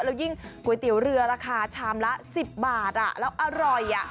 แล้วยิ่งก๋วยเตี๋ยวเรือราคาชามละ๑๐บาทแล้วอร่อย